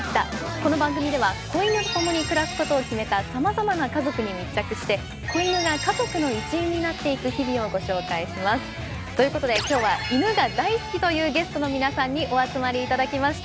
この番組では子犬と共に暮らすことを決めたさまざまな家族に密着して子犬が家族の一員になっていく日々をご紹介します。ということで今日は犬が大好きというゲストの皆さんにお集まりいただきました。